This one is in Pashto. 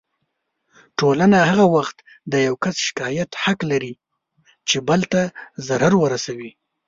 ټولنه هغه وخت د يو کس شکايت حق لري چې بل ته ضرر ورسوي.